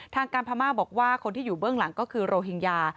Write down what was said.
ทางการพม่าบอกว่าคนที่อยู่เบื้องหลังก็คือโรฮิงญา